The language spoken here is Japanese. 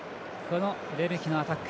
レメキのアタック。